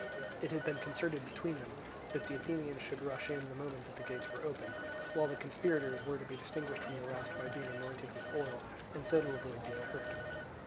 It had been concerted between them that the Athenians should rush in, the moment that the gates were opened, while the conspirators were to be distinguished from the rest by being anointed with oil, and so to avoid being hurt.